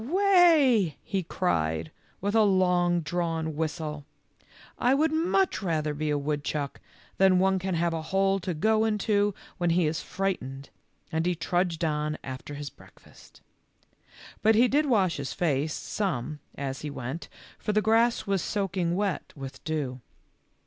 " Wheh h h h," he cried with a long drawn whistle. " I would much rather be a woodchuck, then one can have a hole to go into when he is frightened," and he trudged on after his break fast. But he did wash his face some as he went, for the grass was soaking wet with dew.